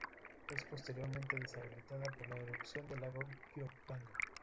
Es posteriormente deshabitada por la erupción del lago Ilopango.